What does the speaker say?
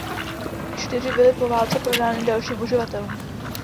Čtyři byly po válce prodány dalším uživatelů.